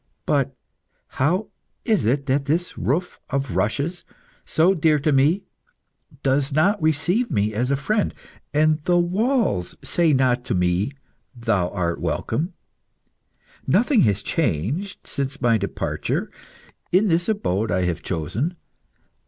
But how is it that this roof of rushes, so dear to me, does not receive me as a friend, and the walls say not to me, 'Thou art welcome.' Nothing has changed, since my departure, in this abode I have chosen.